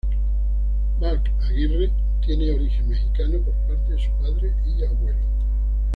Mark Aguirre tiene origen mexicano por parte de su padre y abuelo.